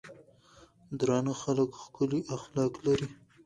درانۀ خلک ښکلي اخلاق لري.